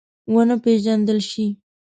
ونه پېژندل شي.